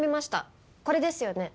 これですよね？